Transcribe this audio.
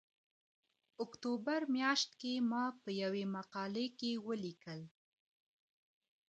اکتوبر میاشت کې ما په یوه مقاله کې ولیکل